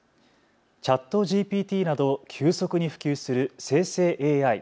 ＣｈａｔＧＰＴなど急速に普及する生成ＡＩ。